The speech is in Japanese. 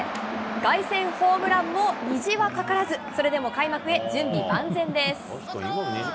凱旋ホームランも虹はかからず、それでも開幕へ、準備万全です。